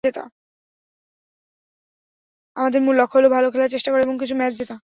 আমাদের মূল লক্ষ্য হলো ভালো খেলার চেষ্টা করা এবং কিছু ম্যাচ জেতা।